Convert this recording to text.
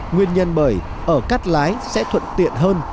nguyên nhân bởi ở cắt lái sẽ thuận tiện hơn